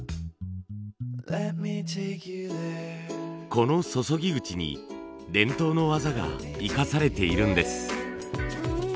この注ぎ口に伝統の技が生かされているんです。